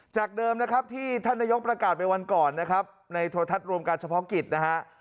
จากเดิมนะครับที่ท่านนายกประกาศไปวันก่อนนะครับในโทรทัศน์รวมการเฉพาะกิจนะฮะ